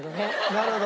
なるほど。